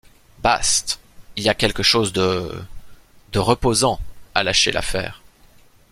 Baste, il y a quelque chose de... de reposant à lâcher l’affaire.